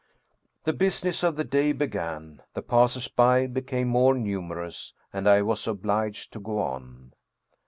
The business of the day began, the passers by be came more numerous, and I was obliged to go on.